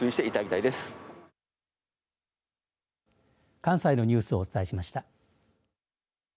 関西のニュースをお伝えしました。